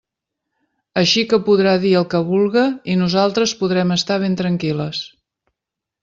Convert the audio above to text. Així que podrà dir el que vulga i nosaltres podrem estar ben tranquil·les.